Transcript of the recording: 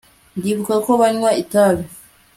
ndibuka ko banywa itabi